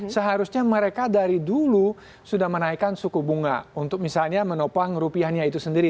seharusnya mereka dari dulu sudah menaikkan suku bunga untuk misalnya menopang rupiahnya itu sendiri